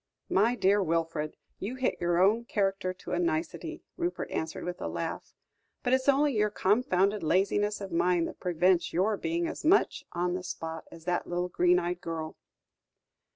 "My dear Wilfred, you hit your own character to a nicety," Rupert answered with a laugh; "but it's only your confounded laziness of mind that prevents your being as much on the spot as that little green eyed girl."